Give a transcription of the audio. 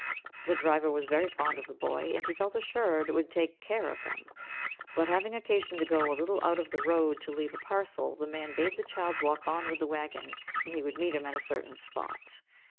The driver was very fond of the boy, and he felt assured would take care of him; but, having occasion to go a little out of the road to leave a parcel, the man bade the child walk on with the wagon, and he would meet him at a certain spot.